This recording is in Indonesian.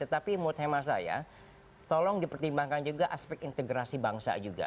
tapi menurut hemat saya tolong dipertimbangkan juga aspek integrasi bangsa juga